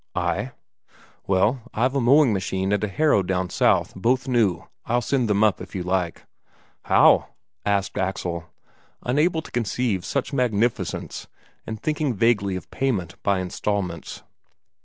"Ay." "Well, I've a mowing machine and a harrow down south, both new; I'll send them up, if you like." "How?" asked Axel, unable to conceive such magnificence, and thinking vaguely of payment by instalments.